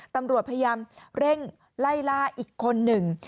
ตำรวจพยายามเร่งไล่ล่าอีกคนหนึ่ง